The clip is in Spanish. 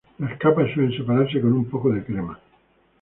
Las capas suelen separarse con un poco de crema.